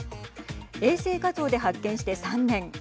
衛星画像で発見して３年。